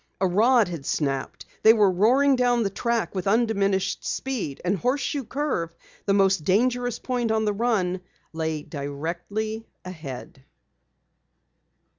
A rod had snapped! They were roaring down the track with undiminished speed, and Horseshoe Curve, the most dangerous point on the run, lay directly ahead.